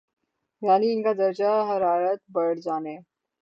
یعنی ان کا درجہ حرارت بڑھ جانے